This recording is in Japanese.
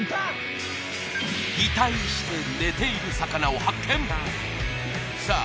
擬態して寝ている魚を発見さあ